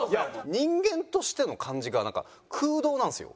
人間としての感じがなんか空洞なんですよ。